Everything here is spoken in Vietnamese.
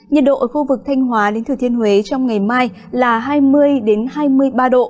nhiệt độ ở khu vực thanh hóa đến thừa thiên huế trong ngày mai là hai mươi hai mươi ba độ